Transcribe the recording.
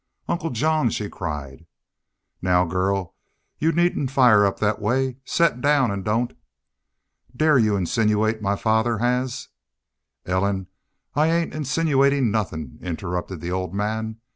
"Uncle John!" she cried. "Now, girl, you needn't fire up thet way. Set down an' don't " "Dare y'u insinuate my father has " "Ellen, I ain't insinuatin' nothin'," interrupted the old man.